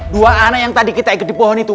dua anak yang tadi kita ikuti pohon itu